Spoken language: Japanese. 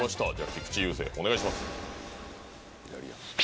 菊池雄星お願いします。